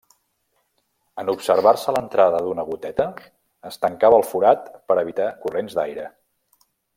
En observar-se l'entrada d'una goteta es tancava el forat per evitar corrents d'aire.